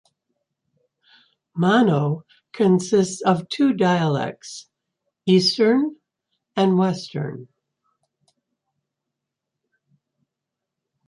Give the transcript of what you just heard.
Mono consists of two dialects, "Eastern" and "Western".